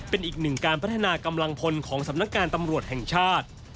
เป็นอีกหนึ่งการพัฒนากำลังพลของสำนักงานตำรวจแห่งชาติ